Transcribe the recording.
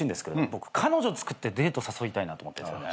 僕彼女つくってデート誘いたいなと思ってるんですよね。